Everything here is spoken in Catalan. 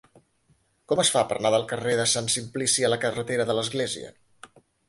Com es fa per anar del carrer de Sant Simplici a la carretera de l'Església?